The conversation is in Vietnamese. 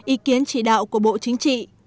ý kiến chỉ đạo của bộ chính trị